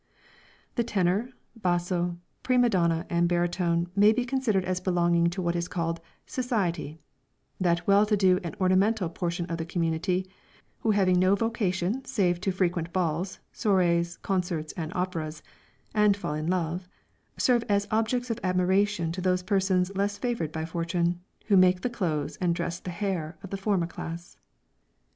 The tenor, basso, prima donna and baritone may be considered as belonging to what is called "society;" that well to do and ornamental portion of the community, who having no vocation save to frequent balls, soirées, concerts and operas, and fall in love serve as objects of admiration to those persons less favoured by fortune, who make the clothes and dress the hair of the former class.